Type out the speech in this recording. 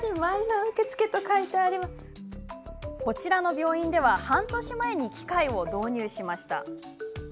こちらの病院では半年前に機械を導入しました。